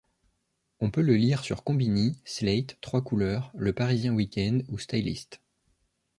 On peut le lire sur Konbini, Slate, Trois Couleurs, Le Parisien Week-end ou Stylist.